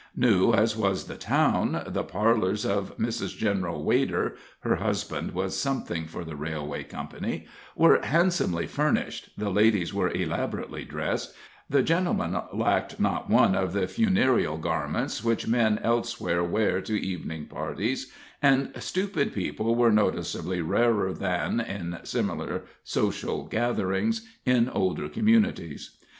New as was the town, the parlors of Mrs. General Wader (her husband was something for the railway company) were handsomely furnished, the ladies were elaborately dressed, the gentlemen lacked not one of the funereal garments which men elsewhere wear to evening parties, and stupid people were noticeably rarer than, in similar social gatherings, in older communities.